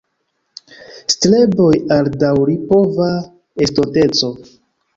Streboj al daŭripova estonteco"".